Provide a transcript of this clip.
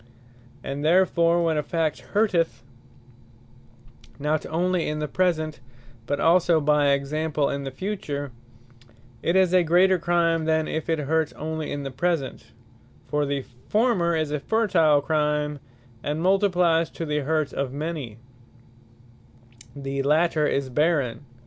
And therefore, when a fact hurteth, not onely in the present, but also, (by example) in the future, it is a greater Crime, than if it hurt onely in the present: for the former, is a fertile Crime, and multiplyes to the hurt of many; the later is barren.